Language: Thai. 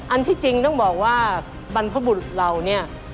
ที่จริงต้องบอกว่าบรรพบุรุษเราเนี่ย